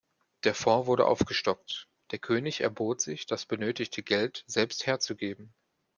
Der Fonds wurde aufgestockt; der König erbot sich, das benötigte Geld selbst herzugeben.